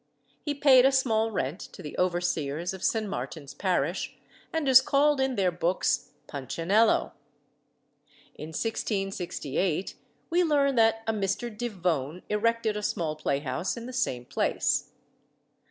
He paid a small rent to the overseers of St. Martin's parish, and is called in their books "Punchinello." In 1668 we learn that a Mr. Devone erected a small playhouse in the same place.